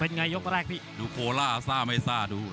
เป็นไงยกแรกพี่ดูโคล่าทราบไหมทราบดู